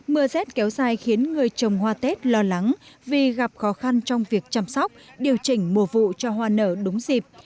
mưa rét kéo dài khiến người trồng hoa tết lo lắng vì gặp khó khăn trong việc chăm sóc điều chỉnh mùa vụ cho hoa nở đúng dịp